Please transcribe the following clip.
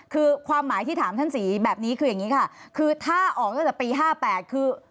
คือความหมายที่ถามท่านศรีแบบนี้คืออย่างนี้ค่ะคือถ้าออกตั้งแต่ปี๕๘คือ